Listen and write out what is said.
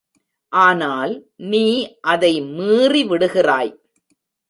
ஆனால், நீ அதை மீறிவிடுகிறாய்.